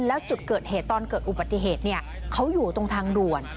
แล้วจุดเกิดเหตุตอนเกิดอุบัติเหตุเขาอยู่ตรงทางด่วน